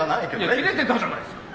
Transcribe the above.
いやキレてたじゃないすか。